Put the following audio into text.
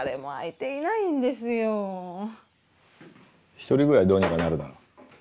一人ぐらいどうにかなるだろう。